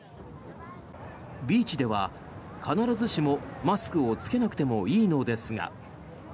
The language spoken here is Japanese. ビーチでは必ずしもマスクを着けなくてもいいのですが。